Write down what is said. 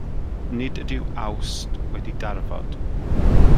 Nid ydyw Awst wedi darfod.